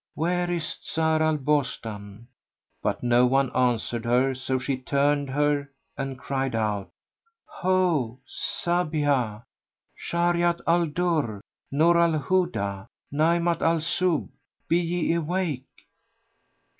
Where is Zhar al Bostan?" But no one answered her, so she turned her and cried out, "Ho Sabíhah! Shajarat al Durr! Núr al Hudá! Najmat al Subh! be ye awake?